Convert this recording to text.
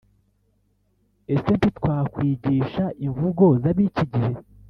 Ese ntitwakwigisha imvugo zabiki gihe